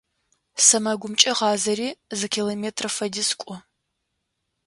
СэмэгумкӀэ гъазэри зы километрэ фэдиз кӀо.